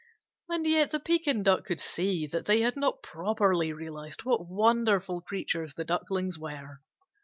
And yet the Pekin Duck could see that they had not properly realized what wonderful creatures the Ducklings were.